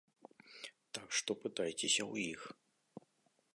Так што пытайцеся ў іх.